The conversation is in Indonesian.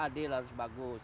dengan adanya harga yang bagus